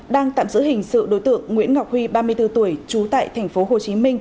đang tạm giữ hình sự đối tượng nguyễn ngọc huy ba mươi bốn tuổi trú tại tp hcm